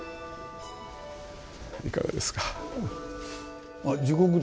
いかがですか？